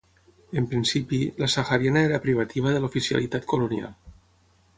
En principi, la sahariana era privativa de l'oficialitat colonial.